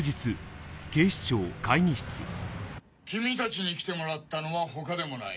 君たちに来てもらったのは他でもない。